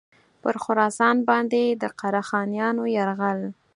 پر خراسان باندي د قره خانیانو یرغل.